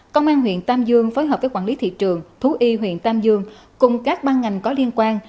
công an huyện tam dương phối hợp với quản lý thị trường thú y huyện tam dương cùng các ban ngành có liên quan